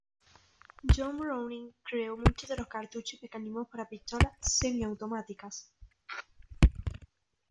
John Browning creó muchos de los cartuchos y mecanismos para pistolas semiautomáticas.